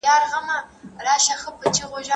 افغان ډیپلوماټان د وینا بشپړه ازادي نه لري.